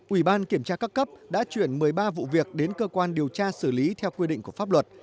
ủy ban kiểm tra các cấp đã chuyển một mươi ba vụ việc đến cơ quan điều tra xử lý theo quy định của pháp luật